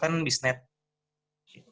kami menggunakan bisnet